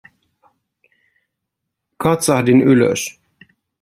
Katsahdin ylös.